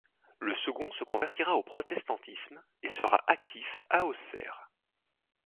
Le second se convertira au protestantisme et sera actif à Auxerre.